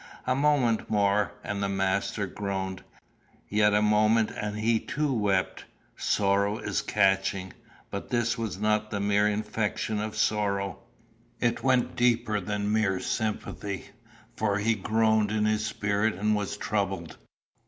A moment more, and the Master groaned; yet a moment, and he too wept. 'Sorrow is catching;' but this was not the mere infection of sorrow. It went deeper than mere sympathy; for he groaned in his spirit and was troubled.